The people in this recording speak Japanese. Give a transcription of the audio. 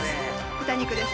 豚肉です。